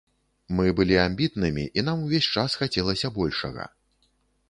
Мы былі амбітнымі, і нам увесь час хацелася большага.